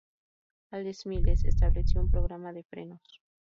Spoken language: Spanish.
All Smiles estableció un programa de frenos.